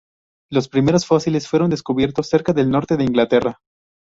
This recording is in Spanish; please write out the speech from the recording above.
Los primeros fósiles fueron descubiertos cerca del norte de Inglaterra.